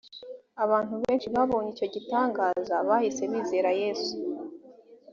abantu benshi babonye icyo gitangaza bahise bizera yesu